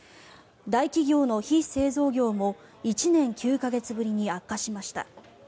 大企業の非製造業も１年９か月ぶりに悪化しました。